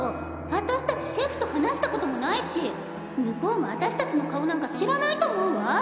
あたしたちシェフと話したこともないし向こうもあたしたちの顔なんか知らないと思うわ！